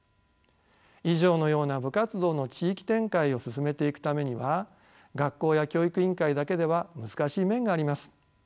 以上のような部活動の地域展開を進めていくためには学校や教育委員会だけでは難しい面があります。